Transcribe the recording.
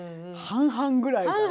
半々ぐらいだな。